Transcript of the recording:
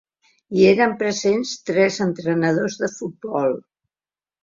Hi eren presents tres entrenadors de futbol.